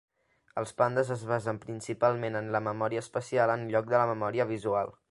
Els pandes es basen principalment en la memòria espacial en lloc de la memòria visual.